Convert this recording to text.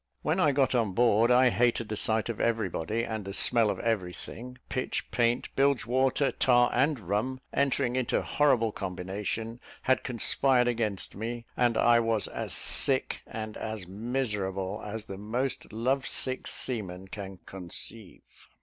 When I got on board, I hated the sight of every body, and the smell of every thing; pitch, paint, bilge water, tar and rum, entering into horrible combination, had conspired against me: and I was as sick and as miserable as the most love sick seaman can conceive.